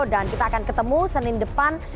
dan kita akan ketemu senin depan